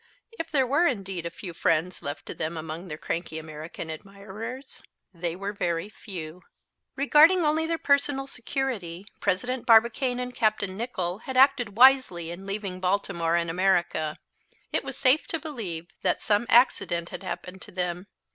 If there were indeed a few friends left to them among their cranky American admirers, they were very few. Regarding only their personal security, President Barbicane and Capt. Nicholl had acted wisely in leaving Baltimore and America. It was safe to believe that some accident had happened to them.